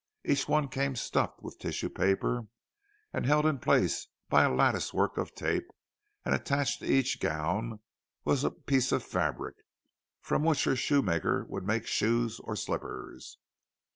Each one came stuffed with tissue paper and held in place by a lattice work of tape; and attached to each gown was a piece of the fabric, from which her shoemaker would make shoes or slippers.